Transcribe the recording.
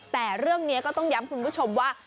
แต่เรื่องนี้ก็ต้องย้ำคุณผู้ชมว่า